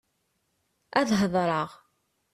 Ad hedṛeɣ.